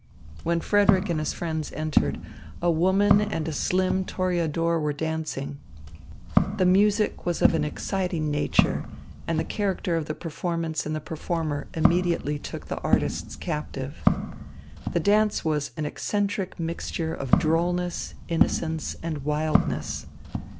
When Frederick and his friends entered, a woman and a slim toreador were dancing. The music was of an exciting nature, and the character of the performance and the performer immediately took the artists captive. The dance was an eccentric mixture of drollness, innocence, and wildness.